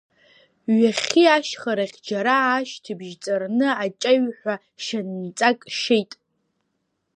Ҩахьхьи, ашьхарахь џьара ашьҭыбжь ҵарны аҷаҩҳәа шьанҵак шьеит.